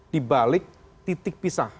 di balik titik pisah